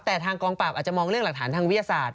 แต่ทางกองปราบอาจจะมองเรื่องหลักฐานทางวิทยาศาสตร์